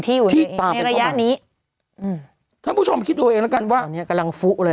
ที่อยู่ในระยะนี้ท่านผู้ชมคิดตัวเอง